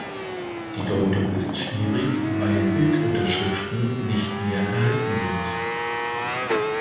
Die Deutung ist schwierig, weil Bildunterschriften nicht mehr erhalten sind.